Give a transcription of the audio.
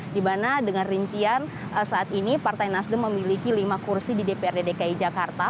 di mana dengan rincian saat ini partai nasdem memiliki lima kursi di dprd dki jakarta